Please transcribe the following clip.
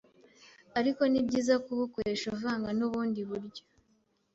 Ariko ni byiza kubukoresha uvanga n’ubundi buryo